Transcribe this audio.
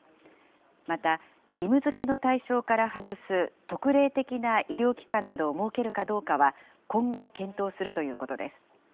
また、義務づけの対象から外す特例的な医療機関などを設けるかどうかは、今後、検討するということです。